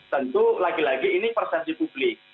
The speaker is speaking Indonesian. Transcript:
tentu lagi lagi ini persepsi publik